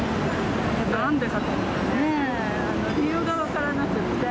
なんでかと思って、理由が分からなくって。